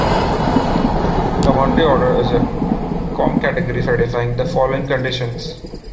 A "multiorder" is a comcategory satisfying the following conditions.